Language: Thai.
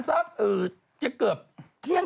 ข้าวใส่ข้าว